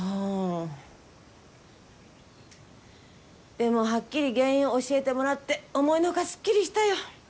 でもはっきり原因を教えてもらって思いの外すっきりしたよ。